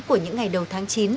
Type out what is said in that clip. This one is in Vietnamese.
của những ngày đầu tháng chín